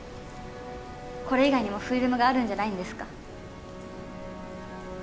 これ以外にもフィルムがあるんじゃないんですか？